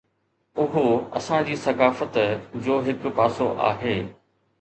اهو اسان جي ثقافت جو هڪ پاسو آهي.